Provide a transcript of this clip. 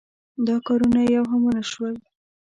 دا کارونه یو هم ونشول.